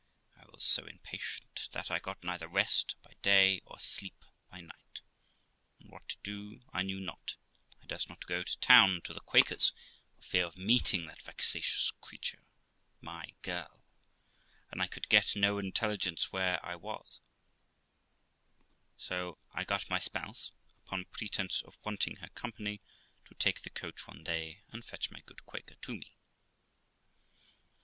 J was so impatient that I got neither rest by day or sleep by night, and what to do I knew not, I durst not go to town to the Quaker's for fear of meeting that vexatious creature, my girl, and I could get no intelligence where I was ; so I got my spouse, upon pretence of wanting her company, to take the coach one day and fetch my good Quaker to me.